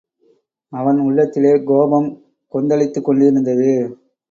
அவன் உள்ளத்திலே கோபம் கொந்தளித்துக்கொண்டிருந்தது.